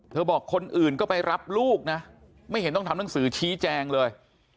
บอกคนอื่นก็ไปรับลูกนะไม่เห็นต้องทำหนังสือชี้แจงเลย